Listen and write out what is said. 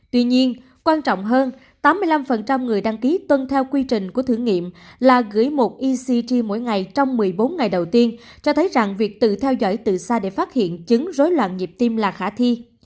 tuy nhiên quan trọng hơn tám mươi năm người đăng ký tuân theo quy trình của thử nghiệm là gửi một ec mỗi ngày trong một mươi bốn ngày đầu tiên cho thấy rằng việc tự theo dõi từ xa để phát hiện chứng rối loạn nhịp tim là khả thi